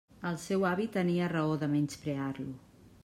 El seu avi tenia raó de menysprear-lo.